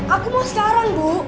aku mau sekarang bu